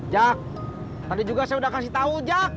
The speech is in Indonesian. jak tadi juga saya udah kasih tau jak